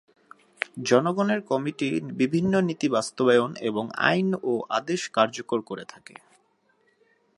জনগণের কমিটি বিভিন্ন নীতি বাস্তবায়ন এবং আইন ও আদেশ কার্যকর করে থাকে।